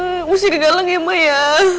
bersih ke galang ya ma ya